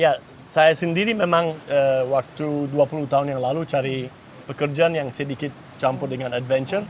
ya saya sendiri memang waktu dua puluh tahun yang lalu cari pekerjaan yang sedikit campur dengan adventure